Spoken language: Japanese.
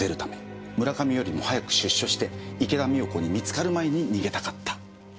村上よりも早く出所して池田美代子に見つかる前に逃げたかった。